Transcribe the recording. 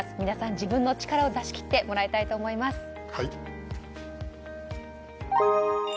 皆さん、自分の力を出し切ってもらいたいと思います。